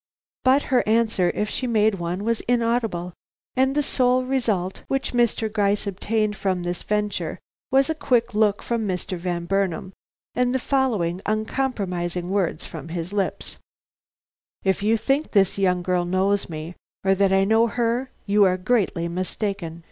But her answer, if she made one, was inaudible, and the sole result which Mr. Gryce obtained from this venture was a quick look from Mr. Van Burnam and the following uncompromising words from his lips: "If you think this young girl knows me, or that I know her, you are greatly mistaken.